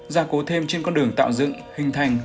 gia cố thêm trên con đường tạo dựng hình thành